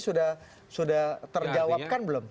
sudah terjawabkan belum